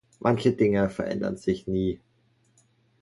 Manche Dinge verändern sich nie.